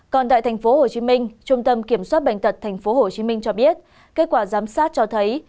còn tại tp hcm trung tâm kiểm soát bệnh tật tp hcm cho biết kết quả giám sát cho thấy